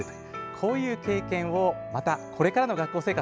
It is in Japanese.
こういう経験をまたこれからの学校生活